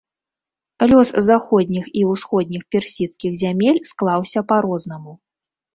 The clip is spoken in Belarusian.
Лёс заходніх і ўсходніх персідскіх зямель склаўся па-рознаму.